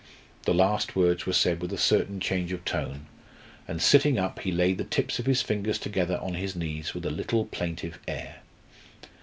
The last words were said with a certain change of tone, and sitting up he laid the tips of his fingers together on his knees with a little plaintive air.